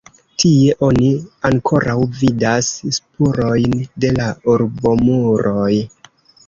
Tie oni ankoraŭ vidas spurojn de la urbomuroj.